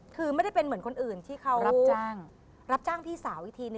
คือไม่ได้เป็นเหมือนคนอื่นที่เขา